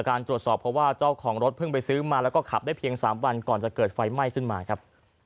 การตรวจสอบเพราะว่าเจ้าของรถเพิ่งไปซื้อมาแล้วก็ขับได้เพียง๓วันก่อนจะเกิดไฟไหม้ขึ้นมาครับ